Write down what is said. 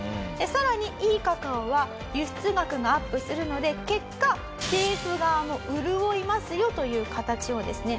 さらにいいカカオは輸出額がアップするので結果政府側も潤いますよという形をですね